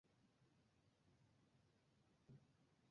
পরবর্তীকালে Lee board of trade ইনকোয়ারির সামনে সাক্ষ্য দেন।